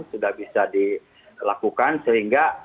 sudah bisa dilakukan sehingga